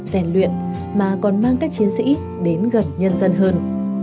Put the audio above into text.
rèn luyện mà còn mang các chiến sĩ đến gần nhân dân hơn